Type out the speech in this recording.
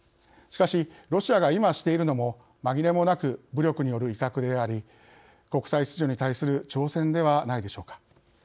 しかしロシアが今しているのも紛れもなく武力による威嚇であり国際秩序に対する挑戦ではないでしょうか。